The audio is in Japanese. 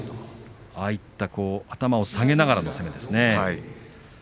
ああいった頭を下げながらの攻めですね。